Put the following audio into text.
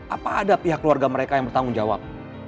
apa ada pihak keluarga mereka yang bertanggung jawab